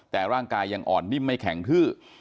แต่ร่างกายยังอ่อนนิ่มไม่แข็งทื้อ